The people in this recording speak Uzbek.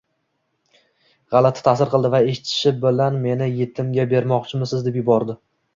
g'alati ta'sir qildi va eshitishi bilan «meni yetimga bermoqchisiz?» deb yubordi.